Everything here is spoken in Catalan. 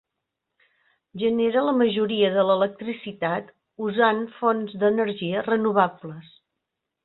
Genera la majoria de l'electricitat usant fonts d'energia renovables.